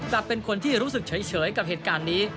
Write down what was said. กลับเป็นคนที่รู้สึกเฉยกับเหตุการณ์นี้